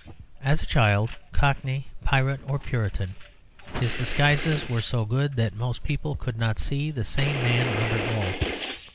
As child, cockney, pirate, or Puritan, his disguises were so good that most people could not see the same man under all.